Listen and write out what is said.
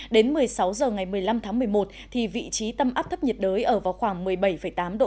đến một mươi sáu h ngày một mươi năm tháng một mươi một vị trí tâm áp thấp nhiệt đới ở vào khoảng một mươi bảy tám độ